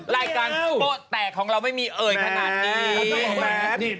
รายการโป๊แตกของเราไม่มีเอ่ยขนาดนี้